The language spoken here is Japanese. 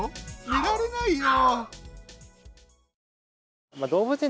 寝られないよ。